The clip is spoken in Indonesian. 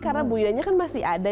karena bu ida nya kan masih ada